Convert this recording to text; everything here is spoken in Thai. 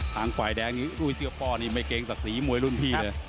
ทางขวายแดงด้วยเสื้อป่อนี่ไม่เกรงสักสีมวยรุ่นพี่เลย